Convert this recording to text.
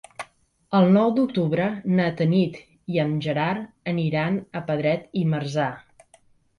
El nou d'octubre na Tanit i en Gerard aniran a Pedret i Marzà.